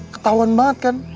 ketauan banget kan